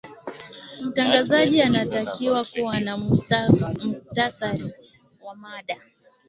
mtangazaji anatakiwa kuwa na muhtasari wa mada